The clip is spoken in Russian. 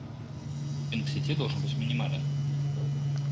Пинг сети должен быть минимален